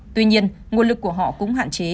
tuy nhiên nguồn lực của họ cũng hạn chế